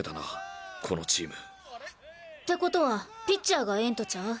このチーム。ってことはピッチャーがええんとちゃう？